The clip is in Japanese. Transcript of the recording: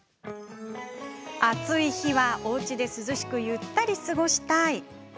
暑い日は、おうちで涼しくゆったり過ごしたい。